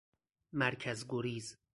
مرکز گریز